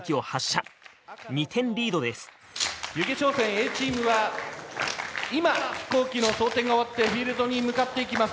Ａチームは今飛行機の装が終わってフィールドに向かっていきます。